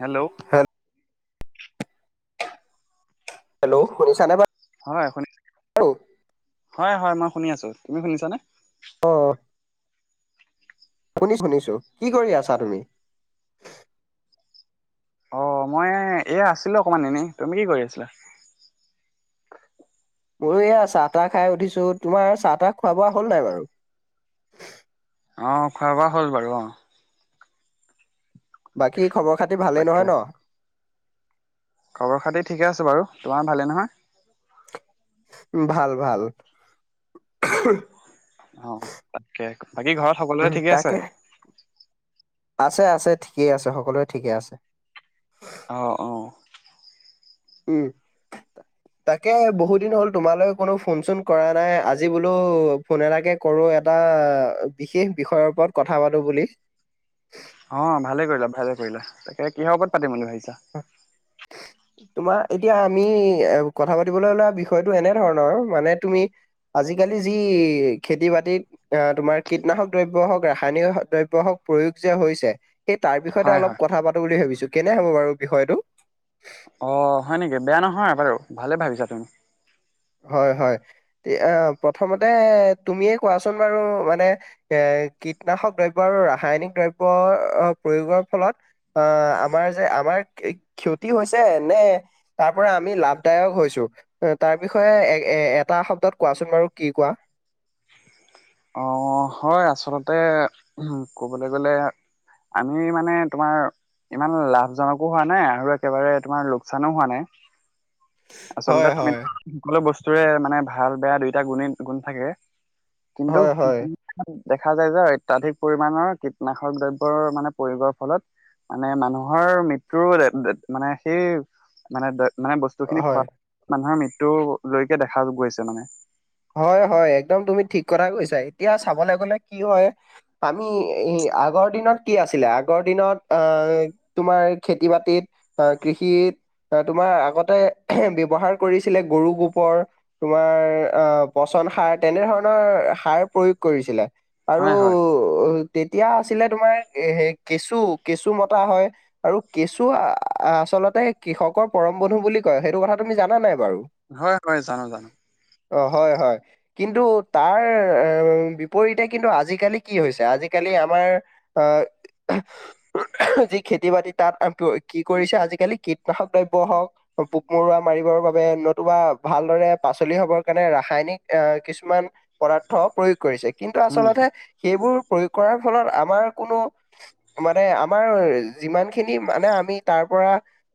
Hello হেল hello মনিছা ন হয় - হয় - হয় মই শুনি আছো তুমি শুনিছানে? অ' শুনিছো শুনিছো কি কৰি আছা তুমি অ মই এয়া আছিলো অকমান এনেই তুমি কি কৰি আছিলা [unintelligible] ময় এয়া চাহ তাহ খাই উঠিছো তোমাৰ চাহ তাহ খোৱা বোৱা হল নাই বাৰু। অঁ খোৱা বোৱা হ'ল বাৰু অঁ বাকী খবৰ খাতি ভালেই তাকে নহয় ন খবৰ খাতি ঠিকে আছে বাৰু তোমাৰ ভালে নহয়। ভাল ভাল অ, তাকে বাকী ঘৰত সকলোৰে উম ঠিকে তাকে আছে। আছে আছে ঠিকেই আছে সকলোৱে ঠিকেই আছে অ অ উম, তাকে বহুত দিন হ'ল তোমালৈ কোনো ফোন চোন কৰা নাই আজি বোলো ফোন এলাকে কৰো এটা বিশেষ বিষয়ৰ ওপৰত কথা পাতো বুলি। অ ভালে কৰিলা ভালে কৰিলা তাকে কিহৰ ওপৰত পাতিম বুলি ভাবিছো অ তোমাৰ এতিয়া আমি এ কথা পাতিবলৈ ওলোৱা বিষয়টো এনে ধৰণৰ মানে তুমি আজাল যি খতি বাতিত যে হৈছে সেই তাৰ বিষয়তে হয় অলপ হয় কথা পাতো বুলি ভাবিছো কেনে হ'ব বাৰু বিষয়টো অ, হয় নেকি বেয়া নহয় বাৰু ভালে ভাবিছা তুমি। হয় - হয় প্ৰথমতে তুমিয়ে কোৱাচোন বাৰু মানে এ কীটনাশক দ্ৰব্য আৰু ৰাসায়নিক দ্ৰব্য প্ৰয়োগৰ ফলত আহ আমাৰ যে আমাৰ ক্ষতি হৈছে নে তাৰ পৰা আমি লাভদায়ক হৈছো তাৰ বিষয়ে এ এ এটা শব্দত কোৱাচোন বাৰু কি কোৱা অ হয় আচলতে ক'বলৈ গ'লে আমি মানে তোমাৰ ইমান লাভজনকো হোৱা নাই আৰু একেবাৰে তোমাৰ লোকচানো হোৱা নাই আচলতে হয় হয়। আ সকলো বস্তুৰে মানে ভাল বেয়া দুইটা গুণেই গুণ থাকে কিন্তু হয় কি হয় দেখা যায় যে অত্যধিক পৰিমাণৰ কীটনাশক দ্ৰব্যৰ মানে প্ৰয়োগৰ ফলত মানে মানুহৰ মৃত্যুৰ মানে সেই মানে মানে বস্তুখিনি হয়। মানুহৰ মৃত্যু জৰিকে দেখা গৈছে মানে হয় হয় একদম তুমি ঠিক কথা কৈছা এতিয়া চাবলৈ গলে কি হয় আমি আগৰ দিনত কি আছিলে আগৰ দিনত অ তোমাৰ খেতি বাতিত অ কৃষি তোমাৰ আগতে ব্য্ৱহাৰ কৰিছিলে গৰু গৰ তোমাৰ আহ, পচন সাৰ তেনেধৰণৰ সাৰ প্ৰয়োগ কৰিছিলে আৰু হয় হয় তেতিয়া আছিলে তোমাৰ এ কেচু - কেচু মতা হয় আৰু কেচু আচলতে কৃষকৰ পৰম বন্ধু বুলি কয় সেইটো কথা তুমি জানা নাই বাৰু হয় হয় জানো জানো অ, হয় - হয় কিন্তু তাৰ বিপৰীতে কিন্তু আজিকালি কি হৈছে আজিকালি আমাৰ আহ যি খেতি বাতি তাত কি কৰিছে আজিকালি কীটনাশক দ্ৰব্য হওক। পোক মৰুা মাৰিবৰ বাবে নতুবা ভালদৰে পাচলি হব কাৰণে ৰাসায়নিক আহ কিছুমান পদাৰ্থ প্ৰয়োগ কৰিছে কিন্তু উম আচলতে সেইবোৰ প্ৰয়োগ কৰাৰ ফলত আমাৰ কোনো মানে আমাৰ যিমানখিনি মানে আমি তাৰ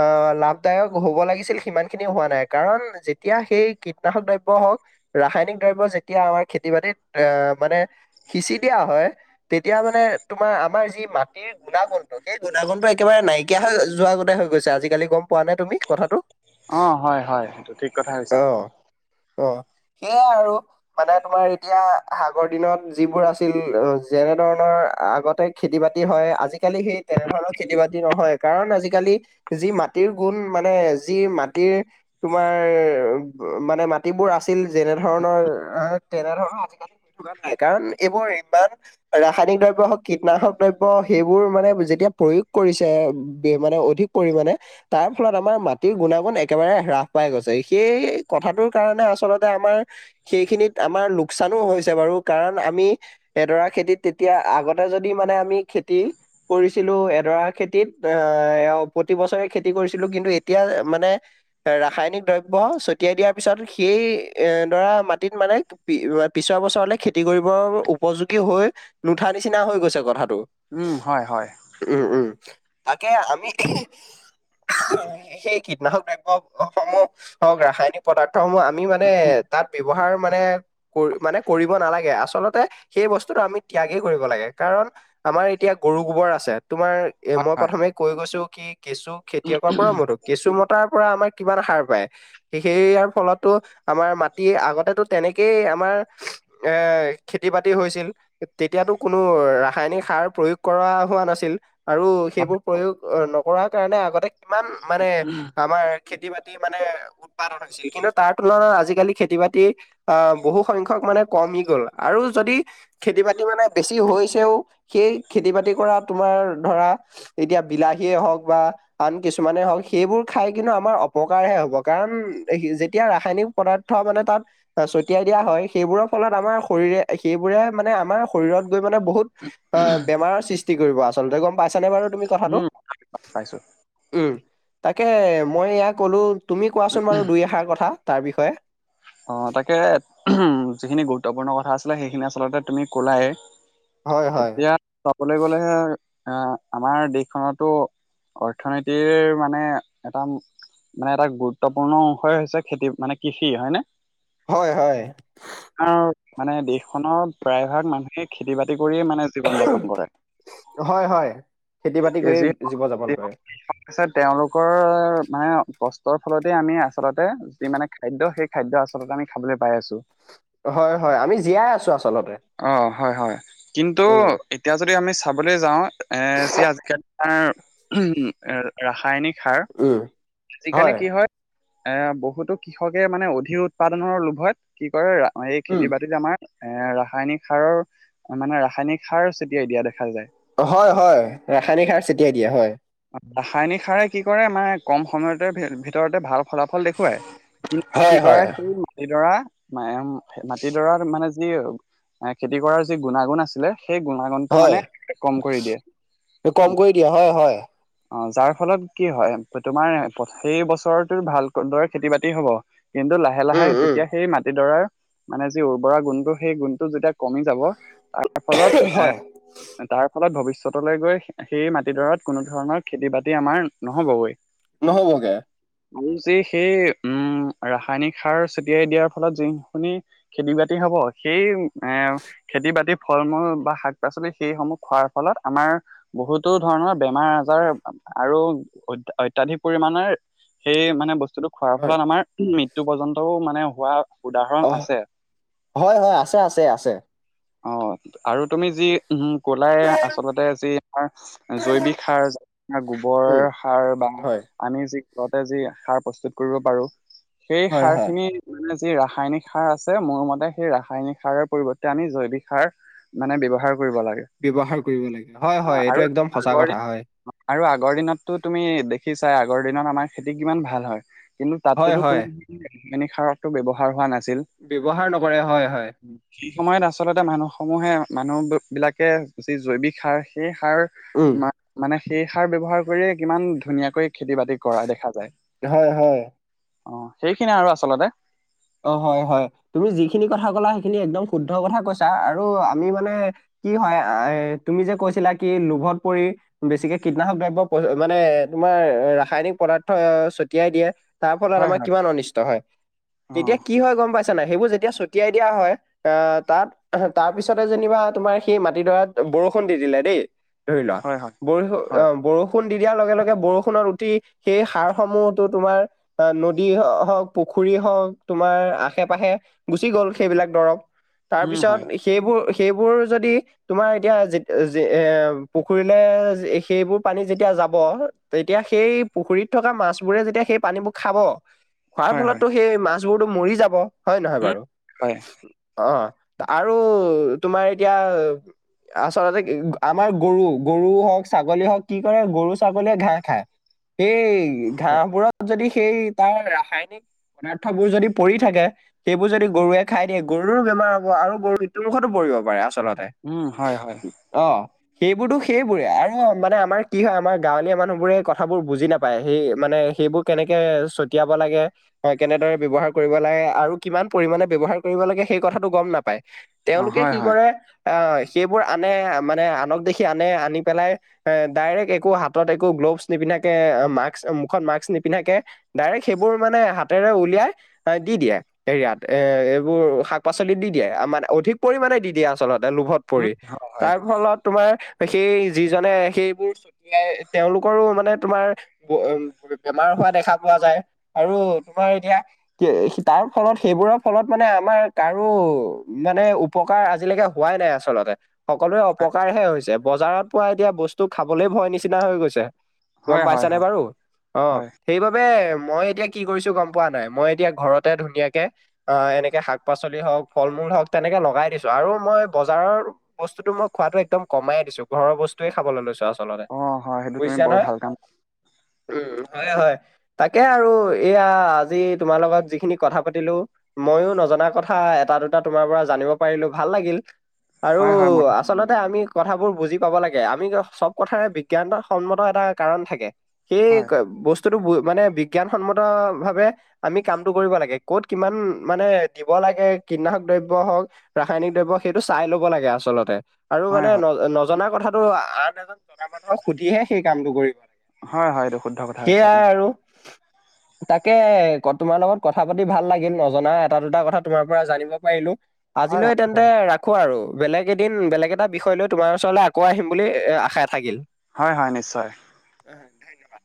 আহ লাভদায়ক হব লাগিছিল সিমান খিনি হোৱা নাই কাৰণ যেতিয়া সেই কীটনাশক দায় দ হওক ৰাসায়নিক দ্ৰব্য যেতিয়া আমাৰ খেতি বাতিত আহ মানে সিচি দিয়া হয় তেতিয়া মানে তোমাৰ আমাৰ যি মাটিৰ গুণাগুণটো সেই গুণাগুণটো একেবাৰে নাইকিয়া হৈ যোৱা আগতে গৈছে আজিকালি গম পোৱা নাই তুমি কথাটো। অ হয় হয় সেইটো ঠিক কথা কৈছা। অ অ সেয়াই আৰু মানে তোমাৰ এতিয়া আগৰ দিনত যিবোৰ আছিল যেনে। তেনে ধৰণৰ আগতে খেতি বাতি হয়। আজিকালি সেই তেনেধৰণৰ খেতি বাতি নহয়। কাৰণ আজিকালি যি মাটিৰ গুণ মানে যি মাটিৰ তোমাৰ মানে ম মাটিবোৰ আছিল যেনেধৰণৰ আহ তেনেধৰণৰ আজিকালি গ থকা নাই কাৰণ এইবোৰ ইমান ৰাসায়নিক দ্ৰব্য হওক কীটনাশক দ্ৰব্য সেইবোৰ মানে যেতিয়া প্ৰয়োগ কৰিছে মানে অধিক পৰিমাণে তাৰ ফলত আমাৰ মাটিৰ গুণাগুণ একেবাৰে হ্ৰাস পাই গৈছে সেই কথাটোৰ। কাৰণে আচলতে আমাৰ সেইখিনিত আমাৰ লোকচানো হৈছে বাৰু কাৰণ আমি এডৰা খেতিত তেতিয়া আগতে যদি মানে আমি খেতি কৰিছিলো এডৰা খেতিত এ প্ৰতি বছৰে খেতি কৰিছিলো। কিন্তু এতিয়া মানে ৰাসায়নিক দ্ৰব্য ছটিয়াই দিয়া পিছত সেই এ ধৰা মাটিত মানে পিছৰ বছৰ লৈ খেতি কৰিবৰ উপযোগী হৈ নুঠা নিচিনা হৈ গৈছে কথাত। হয়, হয়। তাকে আমি। সেই কীটনাশক দ্ৰব্য সমূহ হওক ৰাসায়নিক পদাৰ্থসমূহ আমি মানে তাত ব্যৱহাৰ মানে মানে কৰিব নালাগে আচলতে সেই। এই বস্তুটো আমি ত্যাগে কৰিব লাগে কাৰণ আমাৰ এতিয়া গৰু গোবৰ আছে তোমাৰ এ হয় মই হয় প্ৰথমে কৈ গৈছো। কি কেঁচু খেতিয়কৰ পৰাও মতো কেঁচু মতাৰ পৰা আমাৰ কিমান সাৰ পায় সেইয়াৰ ফলতো আমাৰ মাটি আগতেতো। তেনেকেই আমাৰ এ খেতি বাতি হৈছিল তেতিয়াতো কোনো ৰাসায়নিক সাৰ প্ৰয়োগ কৰা হোৱা নাছিল আৰু সেইবোৰ প্ৰয়োগ নকৰাৰ কাৰণে আগতে কিমান মানে আমাৰ খেতি বাতি মানে উৎপাদন হৈছিল কিন্তু তাৰ তুলনাত আজিকালি খেতি বাতি আহ বহু সংখ্য্ক মানে কমি গ'ল আৰু যদি খেতি বাতি মানে বেছি হৈছেও সেই খেতি বাতি কৰা তোমাৰ ধৰা এতিয়া বিলাহীয়ে হওক বা আন কিছুমানে হওক সেইবোৰ খাই কিন্তু আমাৰ অপকাৰহে হ'ব কাৰণ। যেতিয়া ৰাসায়নিক পদাৰ্থ মানে তাত ছটিয়াই দিয়া হয় সেইবোৰৰ ফলত আমাৰ শৰীৰে সে সেবোৰে মানে আমাৰ শৰীৰত গৈ মানে বহুত অ বেমাৰৰ সৃষ্টি কৰিব আচলতে গম পাইছা নে বাৰু। তুমি কথাটো উম পাইছো উম তাকে মই এ কলো তুমি কোৱাচোন বাৰু দুই এষাৰ কথা তাৰ বিষয়ে। অ তাকে যিখিনি গুৰুত্বপূৰ্ণ কথা আছিলে। সেইখিনি আচলতে তুমি ক'লাই। হয় হয় এতিয়া চাবলৈ গ'লে হে এ আমাৰ দেশখনতো। অৰ্থনীতিৰ মানে এটা। মানে এটা গুৰুত্বপূৰ্ণ অশ হৈছে খেতি মানে কৃষি হয় ন। হয়, হয়। মানে দেশখনৰ প্ৰায় ভাগ মানুহে খেতি বাতি কৰিয়ে মানে জীৱন যাপন কৰে। হয়, হয় খেতি বাতি যি কৰি জীৱ যাপন কৰে। আছে তেওঁলোকৰ মানে কষ্টৰ ফলতেই আমি আচলতে যি মানে খাদ্য সেই খাদ্য আ আমি খাবলৈ পাই আছো। হয়, হয় আমি জীয়াই আছো আচলতে। অ হয় হয়। কিন্তু উম এতিয়া যদি আমি চাবলৈ যাওঁ। এ চি [unintelligible] ৰাসায়নিক সাৰ উম আজি কালি কি হয়। এ বহুতো কৃষকে মানে অধিক উৎপাদনৰ লোভত কি কৰে। অ এই উম খেতি বাতিত আমাৰ এ ৰাসায়নিক সাৰৰ মানে ৰাসায়নিক সাৰ চটিয়াই দিয়া দেখা যায়। হয়, হয় ৰাসায়নিক সাৰ চটিয়াই দিয়ে হয়। ৰাসায়নিক সাৰে কি কৰে মানে কম সময়তে ভিতৰতে ভাল। ফলাফল দেখুৱাই কিন্তু হয় কি হয় কয়। মাটিডৰা ম মাটিডৰা মানে যি খেতি কৰাৰ যি গুণাগুণ আছিলে। সেই গুণাগুণটো মানে হয় কম কৰি দিয়ে। অ, কম কৰি দিয়ে হয় হয় যাৰ ফলত কি হয় তোমাৰ সেই বছৰটোৰ ভালকৈ দৰে খেতি বাতি হ'ব। কিন্তু লাহে লাহে লাহে উম উম যেতিয়া সেই মাটিডৰাৰ মানে যি উৰ্বৰা গুণটো, সেই গুণটো যেতিয়া কমি যাব তাৰ ফলত হয় এ তাৰ ফলত ভৱিষ্য ততলে গৈ সেই মাটিডৰাত কোনো ধৰণৰ খেতি বাতি আমাৰ নহ'বগৈ। নহ'বগে। আৰু যে সেই উম ৰাসায়নিক সাৰ ছটিয়াই দিয়াৰ ফলত যোনখিনি খেতি বাতি হ'ব সেই এ খেতি বাতিৰ ফ ফল মূল বা শাক পাচলি সেইসমূহ খোৱাৰ ফলত আমাৰ বহুতো ধৰণৰ বেমাৰ আজাৰ আৰু অ'ত অত্যাধিক পৰিমাণেৰ সেই মানে বস্তু বস্তুটো খোৱাৰ হয় ফলত আমাৰ মৃত্যু পৰ্যন্তও মানে হোৱা উদাহৰণ অহ আছে হয়, হয়। আছে, আছে, আছে। অ, আৰু তুমি যি উ ক'লাই আচলতে যি আমাৰ জৈৱিক সাৰ, গোবৰ উম, সাৰ বা হয়। আমি যি ঘৰতে যি সাৰ প্ৰস্তুত কৰিব পাৰোঁ, সেই হয় সাৰ হয়, খিনি মানে যি ৰাসায়নিক সাৰ আছে মোৰ মতে সেই ৰাসায়নিক সাৰৰ পৰিৱৰ্তে, আমি জৈৱিক সাৰ মানে ব্যৱহাৰ কৰিব লাগে ব্যৱহাৰ কৰিব লাগে হয়, অ হয়। আৰু এইটো একদম সঁচা আগৰ দিন কথা হয়। আৰু আগৰ দিনতটো তুমি দেখিছা চাই আগৰ দিনত আমাৰ খেতি কিমান ভাল হয়, কিন্তু হয় তাততো তো হয়, কোনো [unintelligible] সাৰকতো ব্যৱহাৰ হোৱা নাছ ব্যৱহাৰ নকৰে হয়, হয়। সেই সময়ত আচলতে মানুহ সমূহে, মানুহ বি বিলাকে যি জৈৱিক সাৰ সেই সাৰ উম, মা-মানে সেই সাৰ ব্যৱহাৰ কৰিয়েই কিমান ধুনীয়াকৈ খেতি বাতি কৰা দেখা যায়। হয় হয়। অ, সেইখিনিয়ে আৰু আচলতে। অ, হয়, হয়। তুমি যিখিনি কথা কলা সেইখিনি একদম শুদ্ধ কথা কৈছা আৰু আমি মানে কি হয় আ এ তুমি যে কৈছিলা কি লোভত পৰি বেছিকে কীটনাশক দ্ৰব্য [unintelligible] মানে তোমাৰ ৰাসায়নিক পদাৰ্থ ছটিয়াই দিয়ে। তাৰ ফলত হয় আমাৰ হয় কিমান অনিষ্ট হয়। অ তেতিয়া কি হয় গম পাইছা নাই? সেইবোৰ যেতিয়া ছতিয়াই দিয়া হয়, এ তাত, তাৰ পিছতে যেনিবা তোমাৰ সেই মাটিডৰাত ব'ৰ' ষুণ দি দিলে দেই। ধৰি লোৱা, হয় হয় বৰিষ অ, হয় বৰষুণ দি দিয়াৰ লগে লগে বৰষুণত উটি, সেই সাৰ সমূহতো তোমাৰ নদী হওঁক, পুখুৰী হওঁক তোমাৰ আশে পাশে গুচি গ'ল সেইবিলাক দৰৱ। তাৰ উম পিছত হয় সেইবোৰ সেইবোৰ যদি তোমাৰ এতিয়া যেত যে এ ও পুখুৰীলে য সেইবোৰ পানী যেতিয়া যাব তেতিয়া সেই পুখুৰীত থকা মাছ বোৰে যেতিয়া, সেই পানীবোৰ খাব। খোৱাৰ হয় হয় ফলতো সেই মাছবোৰতো মৰি যাব হয়ে নহয় উম বাৰু? হয় অ। আৰু' তোমাৰ এতিয়া আচলতে গ আমাৰ গৰু, গৰু হওঁক, ছাগলী হওঁক, কি কৰে গৰু ছাগলীয়ে ঘাঁহ খায়। সেইই হয় ঘাঁহবোৰত যদি সেই তাৰ ৰাসায়নিক থাবোৰ যদি পৰি থাকে। সেইবোৰ যদি গৰুৱে খাই দিয়ে, গৰুৰো বেমাৰ হ'ব আৰু গৰু মৃত্যু মুখতো পৰিব পাৰে। আচ আচলতে, উম হয় হয় অ। সেইবোৰতো সেইবোৰে আৰু মানে আমাৰ কি হয়, আমাৰ গাঁৱলীয়া মানুহ বোৰে কথাবোৰ বুজি নাপায়। সেই মানে সেইবোৰ কেনেকে ছটিয়াব লাগে কেনেদৰে ব্যৱহাৰ কৰিব লাগে, আৰু কিমান পৰিমাণে ব্যৱহাৰ কৰিব লাগে সেই কথাটো গম নাপায়। অ তেওঁলোকে হয় কি হয় কৰে আ' সেইবোৰ আনে মানে আনক দেখি আনে, আনি পেলাই এ ডাইৰেক্ট একো হাতত একো গ্ল'বচ নিপিন্ধাকে, এ মাক্স মুখত মাক্স নিপিন্ধাকে ডাইৰেক সেবোৰ মানে হা হাতেৰে উলিয়াই এ দি দিয়ে, এইয়াত এ এ এইবোৰ শাক পাচলিত দি দিয়ে আমা অধিক পৰিমাণ দি দিয়ে আচলতে লোভত পৰি। উম হয় হয় তাৰ ফলত তোমাৰ সেই যিজনে সেইবোৰ ছটিয়াই তেওঁলোকৰো মানে তোমাৰ ব এ বে-বেমাৰ হোৱা দেখা পোৱা যায়। আৰু তোমাৰ এতিয়া, কি এ তাৰ ফলত সেইবোৰৰ ফলত মানে আমাৰ কাৰো মানে উপ কাৰ আজিলৈকে হোৱাই নাই আচলতে সকলোে অপকাৰহে হৈছে বজাৰত পোৱা এতিয়া বস্তু খাবলৈ ভয় নিচিনা হৈ গৈছে। গম হয় পাইছা হয় নে হয় বাৰু অ হয় সেইবাবে মই এতিয়া কি কৰিছো। গম পোৱা নাই মই এতিয়া ঘৰতে ধুনীয়াকে অ এনেকে শাক পাচলি হওঁক ফল মূল হওঁক তেনেকে লগাই। দিছো আৰু মই বজাৰৰ বস্তুটো মই খোৱাতো একদম কমাই দিছো ঘৰৰ বস্তুয়ে খাবলৈ লৈছো আ। অ হয় সেইটো তুমি বৰ বুজিছানে নহয় ভাল কাম উ হয়, হয় তাকে আৰু এয়া আজি তোমাৰ লগত যিখিনি কথা পাতিলো। মইও নজনা কথা এটা দুটা তোমাৰ পৰা জানি। জানিব পাৰিলো ভাল লাগিল আৰু হয় হয় মই আচলতে আমি বুজি। পাব লাগে আমি চব কথাৰে বিজ্ঞানত সন্মত এটা কাৰণ থাকে সেই হয় বস্তু বস্ততো বিজ্ঞান সন্মত ভাৱে আমি কামটো কৰিব লাগে ক'ত কিমান মানে দিব লাগে কীটনাশক দ্ৰব্য হওঁক। ৰাসায়নিক দ্ৰব্য সেইটো চাই ল'ব লাগে আচলতে। আৰু হয় মানে হয় নজনা কথাটো আন এজন জনা মানুহক সুধিহে সেই কামটো কৰিব। হয় হয় এইটো শুদ্ধ কথা কৈছা সেইয়াই তুমি আৰু। তাকে তোমাৰ লগত কথা পাতি ভাল লাগিল নজনা এটা দুটা কথা তোমাৰ পৰা জানিব পাৰিলো। হয় হয় আজিলৈ তেন্তে ৰাখো আৰু। বেলেগ এদিন বেলেগ এটা বিষয় লৈ তোমাৰ ওচৰলৈ আকৌ আহিম বুলি আশা থাকিল। হয়, হয় নিশ্চয়। উ ধন্যবাদ